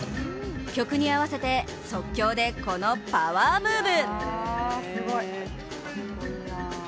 曲に合わせて、即興でこのパワームーブ。